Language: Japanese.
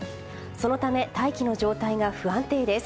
そのため大気の状態が不安定です。